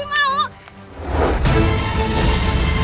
masa itu kekis